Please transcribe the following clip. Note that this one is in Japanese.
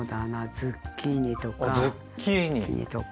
ズッキーニとか。